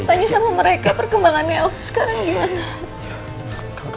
tanya sama mereka perkembangannya elvi sekarang gimana